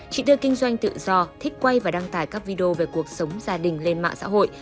chị đưa kinh doanh tự do thích quay và đăng tải các video về cuộc sống gia đình lên mạng xã hội